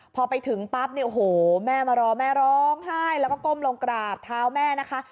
พอไปถึงปั๊บเนี่ยโอ้โหแม่มารอแม่ร้องไห้แล้วก็ก้มลงกราบเท้าแม่นะคะ